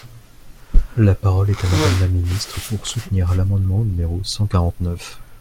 La parole est à Madame la ministre, pour soutenir l’amendement numéro cent quarante-neuf.